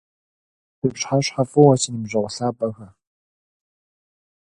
Он приехал к Брянскому, пробыл у него пять минут и поскакал назад.